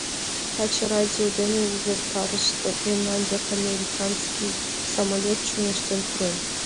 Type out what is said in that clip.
Таче радио дене увертарышт — мемнан дек американский самолет чоҥештен пурен...